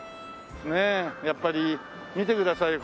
やっぱり見てくださいよ。